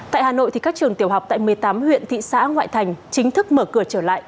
tại hà nội các trường tiểu học tại một mươi tám huyện thị xã ngoại thành chính thức mở cửa trở lại